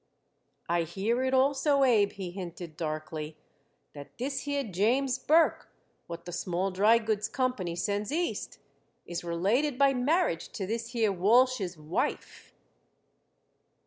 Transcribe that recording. "I hear it also, Abe," he hinted darkly, "that this here James Bourke, what the Small Drygoods Company sends East, is related by marriage to this here Walsh's wife."